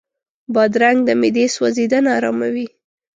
بادرنګ د معدې سوځېدنه آراموي.